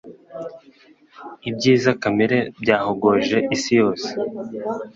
Ibyiza kamere byahogoje isi yose.